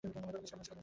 তোমাকে অনেক মিস করব।